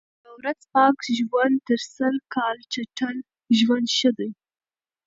یوه ورځ پاک ژوند تر سل کال چټل ژوند ښه دئ.